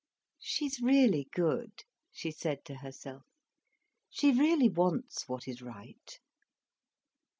"She's really good," she said to herself. "She really wants what is right."